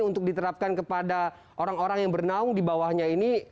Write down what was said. untuk diterapkan kepada orang orang yang bernaung di bawahnya ini